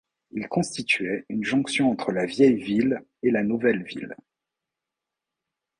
Il constituait une jonction entre la vieille ville et la nouvelle ville.